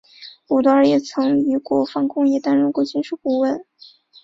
鲁德尔也曾于国防工业担任过军事顾问。